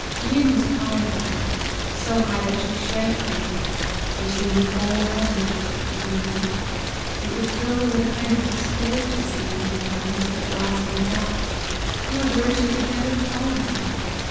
Ian was high above her, so high that she shrank from him; there seemed a whole heaven of height between them. It would fill her with a kind of despair to see him at times sit lost in thought: he was where she could never follow him!